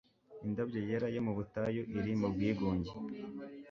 indabyo yera yo mu butayu, iri mu bwigunge